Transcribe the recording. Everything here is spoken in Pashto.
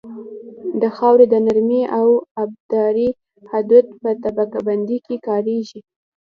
د خاورې د نرمۍ او ابدارۍ حدود په طبقه بندۍ کې کاریږي